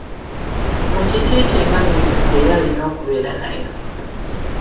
Mu kiti kye nga Minisita era alina okubeera nayo.